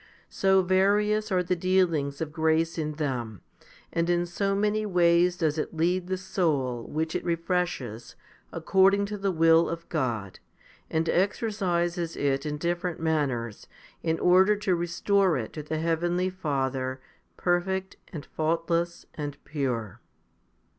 So various are the dealings of grace in them, and in so many ways does it lead the soul which it refreshes according to the will of God, and exercises it in different manners, in order to restore it to the heavenly Father perfect and faultless and pure.